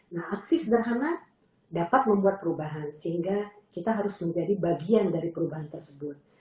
nah aksi sederhana dapat membuat perubahan sehingga kita harus menjadi bagian dari perubahan tersebut